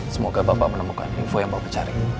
semoga bapak menemukan info yang bapak cari